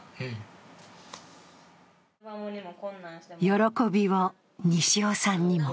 喜びを西尾さんにも。